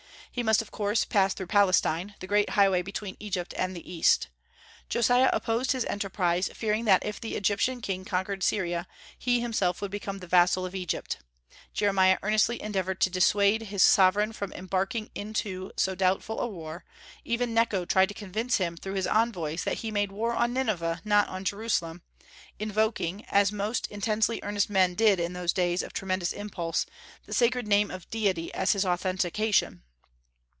He must of course pass through Palestine, the great highway between Egypt and the East. Josiah opposed his enterprise, fearing that if the Egyptian king conquered Syria, he himself would become the vassal of Egypt. Jeremiah earnestly endeavored to dissuade his sovereign from embarking in so doubtful a war; even Necho tried to convince him through his envoys that he made war on Nineveh, not on Jerusalem, invoking as most intensely earnest men did in those days of tremendous impulse the sacred name of Deity as his authentication.